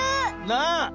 なあ。